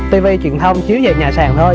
tivi truyền thông chiếu về nhà sàn thôi